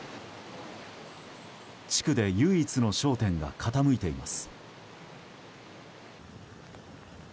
地区で唯一の商店が傾いています。